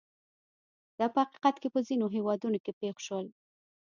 دا په حقیقت کې په ځینو هېوادونو کې پېښ شول.